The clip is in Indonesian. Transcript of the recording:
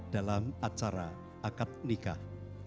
dalam acara akad nikah